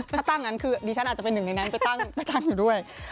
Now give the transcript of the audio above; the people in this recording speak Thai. ถ้าตั้งงั้นคือดิฉันอาจจะเป็นหนึ่งในนั้นไปตั้งอยู่ด้วย